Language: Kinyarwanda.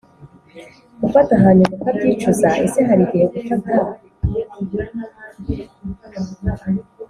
Gufata hanyuma ukabyicuza ese hari igihe gufata